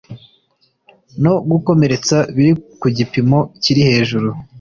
no gukomeretsa biri ku gipimo kiri hejuru